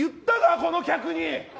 この客に。